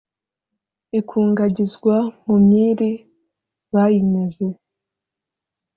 ikungagizwa mu myiri bayinyaze.